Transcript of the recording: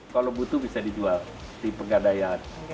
kalau butuh bisa dijual di pegadaian